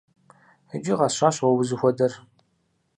Иджы къэсщӏащ уэ узыхуэдэр.